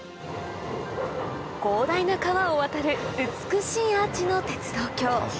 広大な川を渡る美しいアーチの鉄道橋